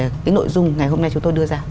cái nội dung ngày hôm nay chúng tôi đưa ra